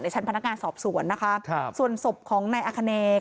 ชั้นพนักงานสอบสวนนะคะครับส่วนศพของนายอคเน